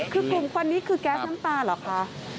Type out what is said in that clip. คือกลุ่มควันนี้คือแก๊สน้ำตาเหรอคะ